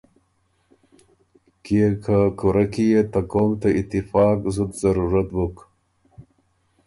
کيې که کُورۀ کی يې ته قوم ته اتفاق ته زُت ضرورت بُک